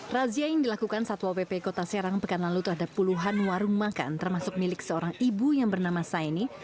razia yang dilakukan satwa pp kota serang pekan lalu terhadap puluhan warung makan termasuk milik seorang ibu yang bernama saini